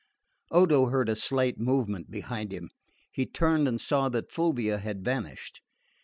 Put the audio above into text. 3.7. Odo heard a slight movement behind him. He turned and saw that Fulvia had vanished.